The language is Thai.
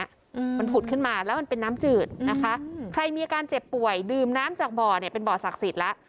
อืมมันผุดขึ้นมาแล้วมันเป็นน้ำจืดนะคะใครมีอาการเจ็บป่วยดื่มน้ำจากบ่อเนี้ยเป็นบ่อศักดิ์สิทธิ์แล้ว